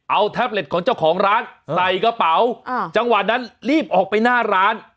เอาแท็บเล็ตของเจ้าของร้านใส่กระเป๋าจังหวะนั้นรีบออกไปหน้าร้าน